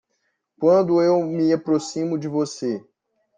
Quando eu me aproximo de você